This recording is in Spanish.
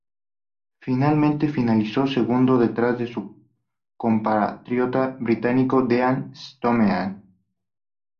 Finalmente finalizó segundo detrás de su compatriota británico Dean Stoneman.